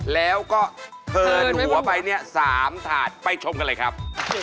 แล้วก็เทินหัวไปเนี่ย๓ถาดไปชมกันเลยครับ